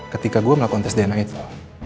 ketika gue melakukan tes dna itu